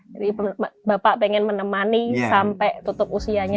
jadi bapak pengen menemani sampai tutup usianya ibu gitu ya